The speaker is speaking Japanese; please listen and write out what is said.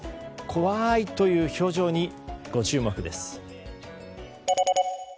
怖いという表情にご注目です。